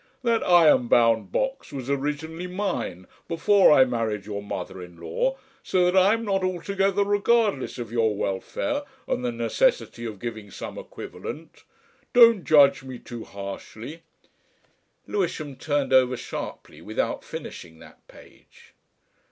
That iron bound box was originally mine, before I married your mother in law, so that I am not altogether regardless of your welfare and the necessity of giving some equivalent. Don't judge me too harshly." Lewisham turned over sharply without finishing that page.